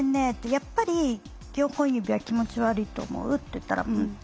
やっぱり４本指は気持ち悪いと思う？」って言ったら「うん」って。